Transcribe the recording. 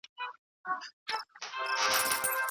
خلګ بايد په سياسي بهير کي فعاله ونډه واخلي.